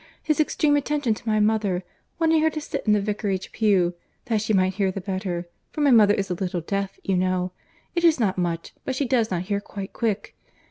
His extreme attention to my mother—wanting her to sit in the vicarage pew, that she might hear the better, for my mother is a little deaf, you know—it is not much, but she does not hear quite quick.